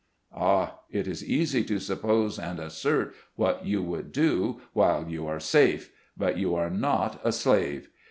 Ah ! it is easy to suppose and assert what you would do, while you are safe ; but you are not a slave